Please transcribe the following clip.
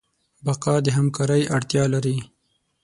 بقا د همکارۍ اړتیا لري.